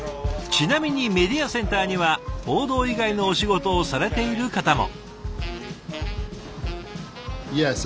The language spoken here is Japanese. ちなみにメディアセンターには報道以外のお仕事をされている方も。